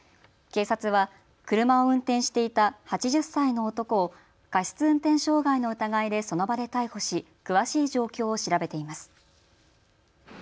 警察は車を運転していた８０歳の男を過失運転傷害の疑いでその場で逮捕し詳しい状況を調べています。